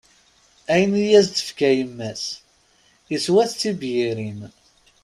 Ayen i as-d-tefka yemma-s, iswa-t d tibyirin.